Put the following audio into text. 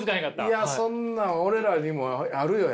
いやそんなん俺らにもあるよ